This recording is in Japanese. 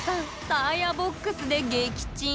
サーヤボックスで撃沈！